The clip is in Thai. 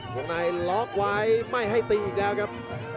วงในล็อกไว้ไม่ให้ตีอีกแล้วครับ